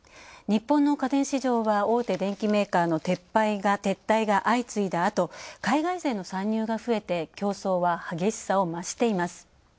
日本の家電市場は大手電機メーカーの撤退が相次いだあと、海外勢の参入が増えて、競争は激しさを増しています。